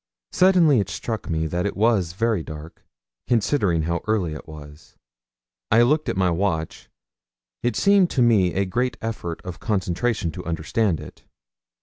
Suddenly it struck me that it was very dark, considering how early it was. I looked at my watch; it seemed to me a great effort of concentration to understand it.